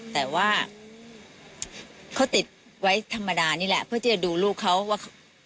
แต่ว่าเขาติดไว้ธรรมดานี่แหละเพื่อที่จะดูลูกเขาว่า